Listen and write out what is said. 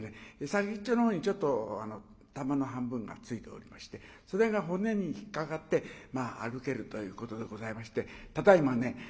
先っちょのほうにちょっと玉の半分がついておりましてそれが骨に引っ掛かってまあ歩けるということでございましてただいまね